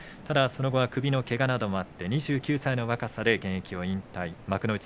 その後は、首のけがなどもあって２９歳の若さで現役を引退幕内